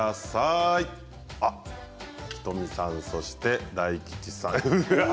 仁美さん、そして大吉さん